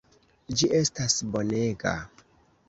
Ĝi estas bonega.